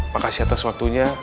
makasih atas waktunya